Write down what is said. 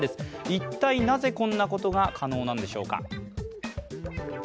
一体なぜこんなことが可能なんでしょうか。